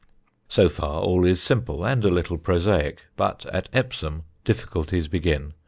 So far all is simple and a little prosaic, but at Epsom difficulties begin.